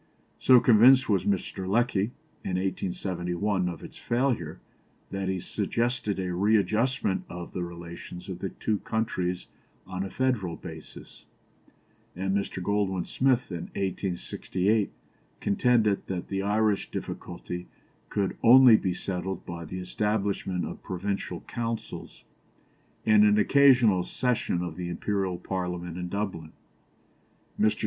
So convinced was Mr. Lecky, in 1871, of its failure, that he suggested a readjustment of the relations of the two countries on a federal basis; and Mr. Goldwin Smith, in 1868, contended that the Irish difficulty could only be settled by the establishment of Provincial Councils, and an occasional session of the Imperial Parliament in Dublin. Mr.